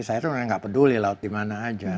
saya tuh memang enggak peduli laut dimana aja